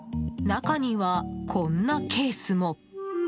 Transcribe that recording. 中には、こんなケースも。